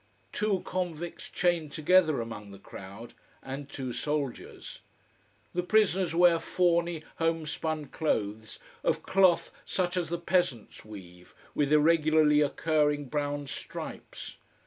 Two convicts chained together among the crowd and two soldiers. The prisoners wear fawny homespun clothes, of cloth such as the peasants weave, with irregularly occurring brown stripes.